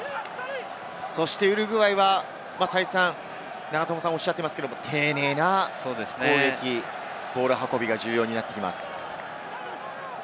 ウルグアイは再三、永友さんが言っているように、丁寧な攻撃、ボール運びが重要になってきます。